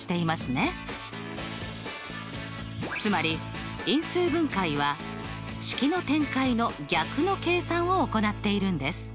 つまり因数分解は式の展開の逆の計算を行っているんです。